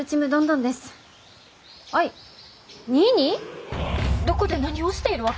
☎どこで何をしているわけ？